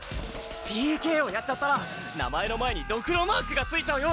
ＰＫをやっちゃったら名前の前にドクロマークが付いちゃうよ！